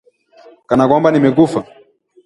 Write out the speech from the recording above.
Kana kwamba nimekufa